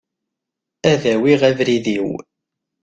Ad awiɣ abrid-iw.